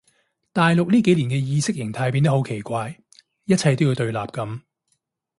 大陸呢幾年嘅意識形態變得好怪一切都要對立噉